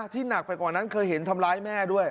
หนักไปกว่านั้นเคยเห็นทำร้ายแม่ด้วย